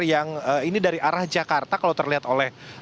yang ini dari arah jakarta kalau terlihat oleh